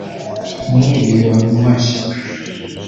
Mwili waniwasha